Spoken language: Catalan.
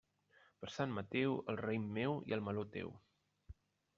Per Sant Mateu, el raïm meu i el meló, teu.